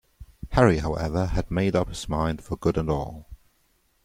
Harry, however, had made up his mind for good and all.